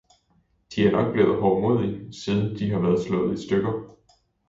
De er nok blevet hovmodig, siden De har været slået i stykker!